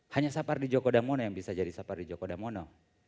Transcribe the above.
hanya sapardi joko damono yang bisa jadi sapar di joko damono